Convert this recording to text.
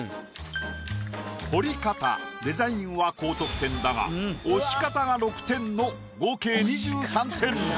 彫り方デザインは高得点だが押し方が６点の合計２３点。